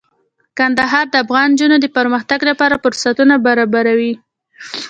کندهار د افغان نجونو د پرمختګ لپاره فرصتونه برابروي.